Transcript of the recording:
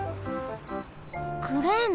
クレーンだ。